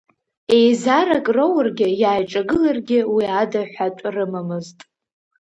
Еизарак роургьы иааиҿагыларгьы уи ада ҳәатә рымамызт.